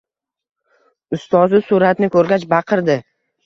Ustozi suratni ko’rgach baqirdi